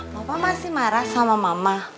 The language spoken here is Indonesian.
bapak masih marah sama mama